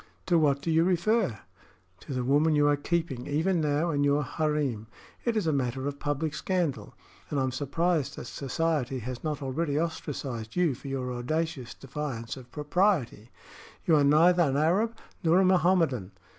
"To what do you refer?" "To the woman you are keeping, even now, in your harem. It is a matter of public scandal, and I am surprised that society has not already ostracized you for your audacious defiance of propriety. You are neither an Arab nor a Mohammedan.